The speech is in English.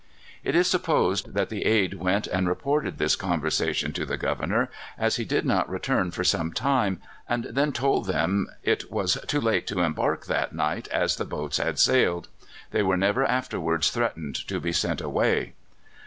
It is supposed that the aide went and reported this conversation to the Governor, as he did not return for some time, and then told them it was too late to embark that night, as the boats had sailed. They were never afterwards threatened to be sent away.